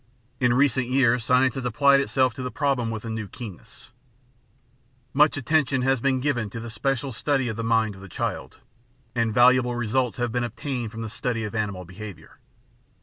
In recent years science has applied itself to the problem with a new keen ness; much attention has been given to the special study of the mind of the child, and valuable results have been obtained from the study of animal behaviour.